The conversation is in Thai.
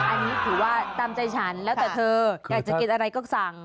อันนี้ถือว่าตามใจฉันแล้วแต่เธออยากจะกินอะไรก็สั่ง